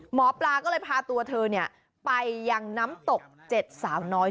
หมอปลาก็เลยพาตัวเธอไปยังน้ำตก๗สาวน้อย